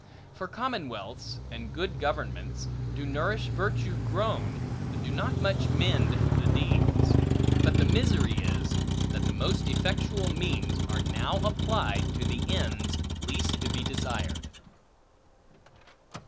For commonwealths, and good governments, do nourish virtue grown but do not much mend the deeds. But the misery is, that the most effectual means, are now applied to the ends, least to be desired.